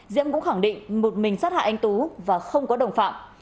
diễm cũng khẳng định một mình sát hại anh tú và không có đồng phạm